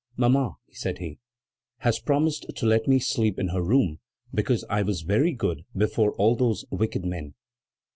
"Mamma," said he, "has promised to let me sleep in her room because I was very good before all those wicked men."